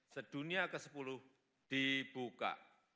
sedunia ke sepuluh dibuka